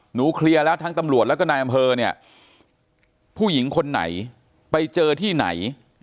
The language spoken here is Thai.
เคลียร์แล้วทั้งตำรวจแล้วก็นายอำเภอเนี่ยผู้หญิงคนไหนไปเจอที่ไหน